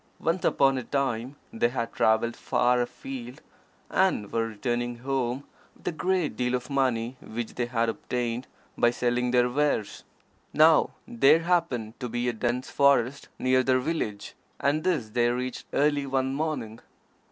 Once upon a time they had travelled far afield, and were returning home with a great deal of money which they had obtained by selling their wares. Now there happened to be a dense forest near their village, and this they reached early one morning.